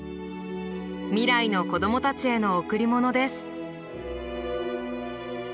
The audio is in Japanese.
未来の子どもたちへの贈り物です。